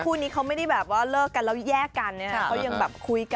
คู่นี้เขาไม่ได้เลิกกันแล้วแยกกันเขายังคุยกัน